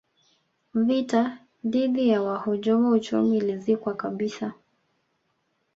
vita dhidi ya wahujumu uchumi ilizikwa kabisa